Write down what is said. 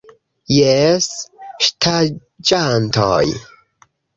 Jes ŝtaĝantoj...